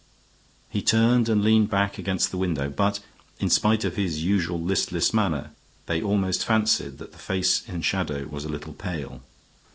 He turned and leaned back against the window, but, in spite of his usual listless manner, they almost fancied that the face in shadow was a little pale.